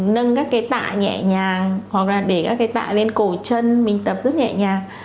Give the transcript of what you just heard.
nâng các cái tạ nhẹ nhàng hoặc là để các cái tạ lên cổ chân mình tập rất nhẹ nhàng